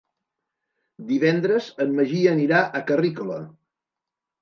Divendres en Magí anirà a Carrícola.